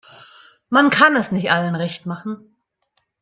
Man kann es nicht allen recht machen.